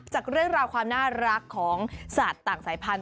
จากเรื่องราวความน่ารักของสัตว์ต่างสายพันธุ